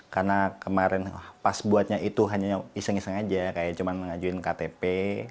karena kemarin pas buatnya itu hanya iseng iseng saja kayak cuma mengajukan ktp